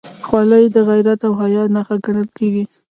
خولۍ د غیرت او حیا نښه ګڼل کېږي.